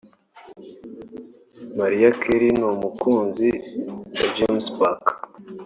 Mariah Cary n’umukunzi we James Packer